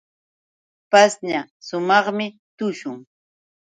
Pashña sumaqmi tushun.